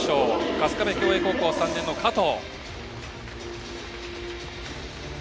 春日部共栄高校３年の加藤。